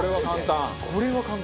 これは簡単。